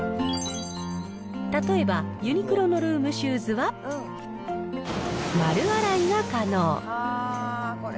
例えば、ユニクロのルームシューズは丸洗いが可能。